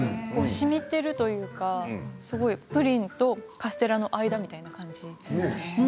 しみてるというかプリンとカステラの間みたいな感じ。